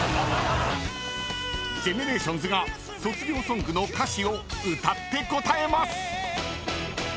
［ＧＥＮＥＲＡＴＩＯＮＳが卒業ソングの歌詞を歌って答えます］